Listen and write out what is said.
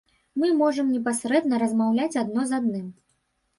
Мы можам непасрэдна размаўляць адно з адным.